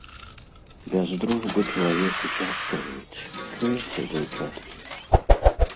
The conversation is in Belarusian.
Без дружбы чалавеку цяжка жыць, чуеце, дзяўчаткі?